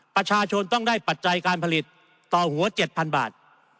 ประชาชนต้องได้ปัจจัยการผลิตต่อหัว๗๐๐บาท